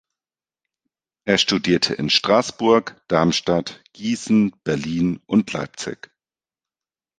Er studierte in Straßburg, Darmstadt, Gießen, Berlin und Leipzig.